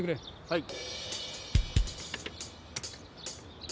はい。